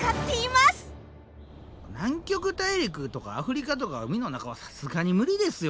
南極大陸とかアフリカとか海の中はさすがに無理ですよ